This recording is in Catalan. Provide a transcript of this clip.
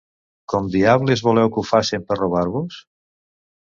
Com diables voleu que ho facen per robar-vos?